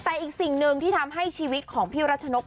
แต่อีกสิ่งหนึ่งที่ทำให้ชีวิตของพี่รัชนก